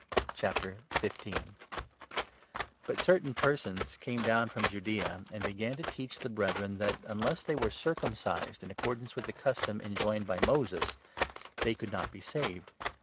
council ^u' cei"tain persons came down from Judaea, i at and began to teach the Brethren that, unless Jerusalem, they were circumcised, in accordance with the custom enjoined by Moses, they could not be saved.